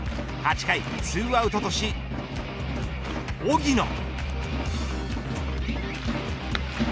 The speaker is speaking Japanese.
８回２アウトとし荻野。